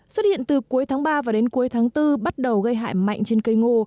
xuất hiện từ cuối tháng ba và đến cuối tháng bốn bắt đầu gây hại mạnh trên cây ngô